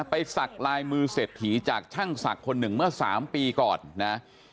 ไปสักลายมือเสร็จถี่จากช่างสักคนหนึ่งเมื่อ๓ปีก่อนนะ